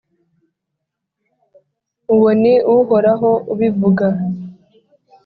Uwo ni Uhoraho ubivuga